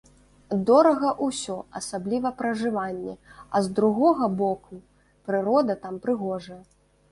Дорага ўсё, асабліва пражыванне, а з другога боку, прырода там прыгожая.